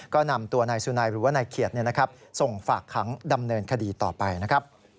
ก็นำตัวนายสุนัยหรือว่านายเขียด